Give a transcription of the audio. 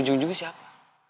dan lo jujur siapa